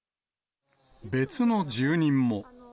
別の住人も。